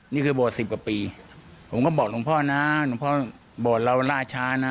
นี่คือโบสถสิบกว่าปีผมก็บอกหลวงพ่อนะหลวงพ่อโบสถ์เราล่าช้านะ